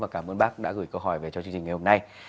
và cảm ơn bác đã gửi câu hỏi về cho chương trình ngày hôm nay